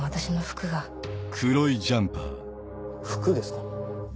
服ですか？